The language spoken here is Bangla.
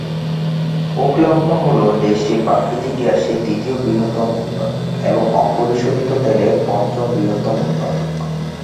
ওকলাহোমা হল দেশটির প্রাকৃতিক গ্যাসের তৃতীয় বৃহত্তম উৎপাদক এবং অপরিশোধিত তেলের পঞ্চম বৃহত্তম উৎপাদক।